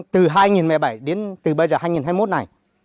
từ hai nghìn một mươi bảy đến từ bây giờ hai nghìn hai mươi một này